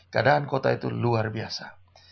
keadaan kota itu luar biasa